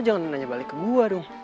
jangan nanya balik ke gua dong